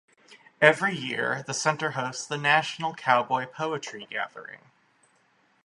Every year the center hosts the National Cowboy Poetry Gathering.